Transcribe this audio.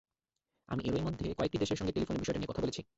আমি এরই মধ্যে কয়েকটি দেশের সঙ্গে টেলিফোনে বিষয়টা নিয়ে কথা বলেছি।